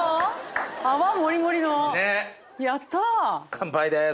乾杯です。